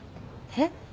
えっ？